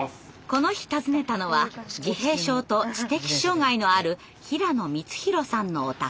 この日訪ねたのは自閉症と知的障害のある平野光宏さんのお宅。